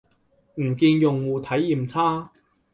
唔見用戶體驗差